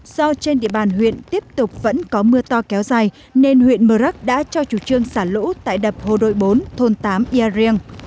do trên địa bàn huyện tiếp tục vẫn có mưa to kéo dài nên huyện mờ rắc đã cho chủ trương xả lũ tại đập hồ đội bốn thôn tám ia riêng